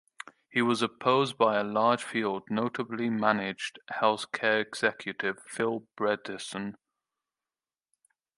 He was opposed by a large field, notably managed health care executive Phil Bredesen.